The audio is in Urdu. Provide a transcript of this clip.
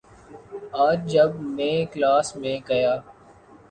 آج جب میں کلاس میں گیا